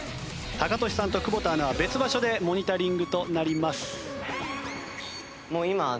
タカトシさんと久保田アナは別場所でモニタリングとなります。